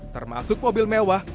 termasuk mobil mewah